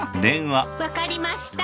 分かりました。